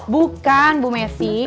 bukan bu messi